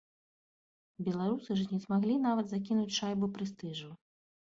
Беларусы ж не змаглі нават закінуць шайбу прэстыжу.